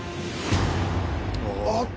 あっ。